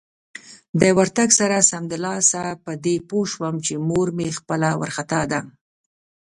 د ورتګ سره سمدلاسه په دې پوه شوم چې مور مې خپله وارخطا ده.